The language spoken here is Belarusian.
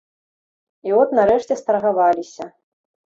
І от нарэшце старгаваліся.